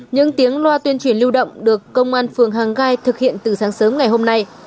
những tiếng loa tuyên truyền lưu động được công an phường hàng gai thực hiện từ sáng sớm ngày hôm nay